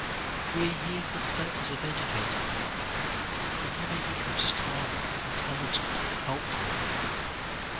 We are here for the purpose of educating you, that you may be come strong, intelligent and helpful.